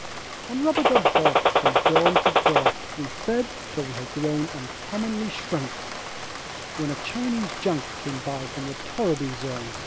On rubagub bark, from dawn to dark, We fed, till we all had grown Uncommonly shrunk, when a Chinese junk Came by from the torriby zone.